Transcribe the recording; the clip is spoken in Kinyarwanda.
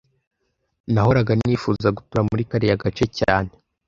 Nahoraga nifuza gutura muri kariya gace cyane